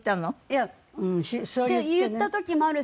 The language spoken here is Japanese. いや言った時もあるし